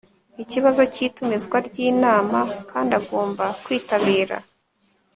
ikibazo cy itumizwa ry inama kandi agomba kwitabira